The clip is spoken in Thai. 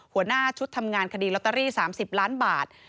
หัวหน้าชุดทำงานคดีลอตเตอรี่๓๐ล้านบาท